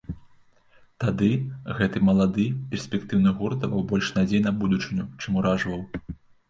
Тады гэты малады, перспектыўны гурт даваў больш надзей на будучыню, чым уражваў.